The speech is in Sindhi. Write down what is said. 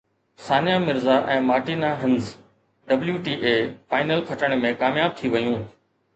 ثانيه Mirza ۽ Martina Hingis WTA final کٽڻ ۾ ڪامياب ٿي ويون